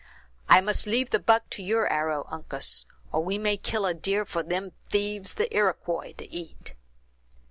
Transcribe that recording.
"I must leave the buck to your arrow, Uncas, or we may kill a deer for them thieves, the Iroquois, to eat."